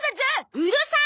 うるさい！